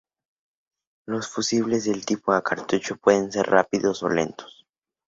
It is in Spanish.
Los fusibles del tipo a cartucho pueden ser rápidos o lentos.